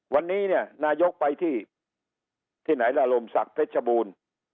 วันนี้เนี่ยนายกไปที่ที่ไหนล่ะลมศักดิ์เพชรบูรณ์